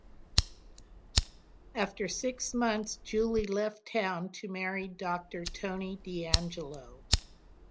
After six months Julie left town to marry Doctor Tony DeAngelo.